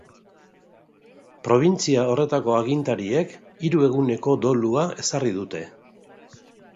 Probintzia horretako agintariek hiru eguneko dolua ezarri dute.